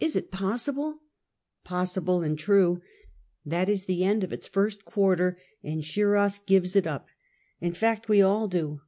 "Is it possible?" " Possible and true ! That is the end of its first quarter, and Shiras gives it up. In fact we all do.